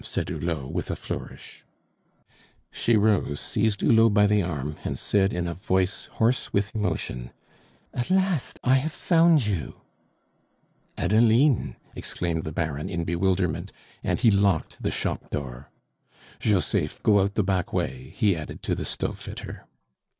said Hulot, with a flourish. She rose, seized Hulot by the arm, and said in a voice hoarse with emotion: "At last I have found you!" "Adeline!" exclaimed the Baron in bewilderment, and he locked the shop door. "Joseph, go out the back way," he added to the stove fitter.